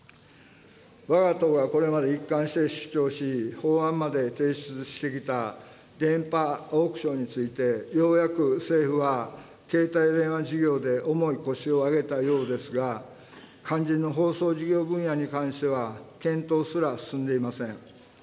わが党がこれまで一貫して主張し、法案まで提出してきた電波オークションについて、ようやく政府は携帯電話事業で重い腰を上げたようですが、肝心の放送事業分野に関しては、検討すら進んでいません。